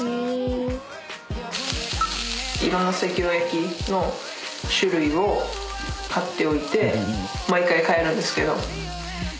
色んな西京焼きの種類を買っておいて毎回変えるんですけど。